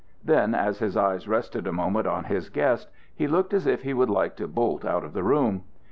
Then, as his eyes rested a moment on his guest, he looked as if he would like to bolt out of the room.